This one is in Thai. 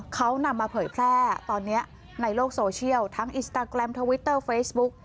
เขานำมาเผยแพร่ตอนนี้ในโลกโซเชียลทั้งอินสตาแกรมทวิตเตอร์เฟซบุ๊ก